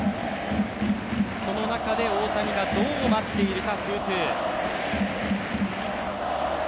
その中で大谷がどう待っているか。